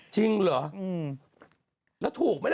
จะเห็นไงวะ